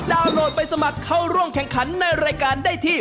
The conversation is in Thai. โหลดไปสมัครเข้าร่วมแข่งขันในรายการได้ที่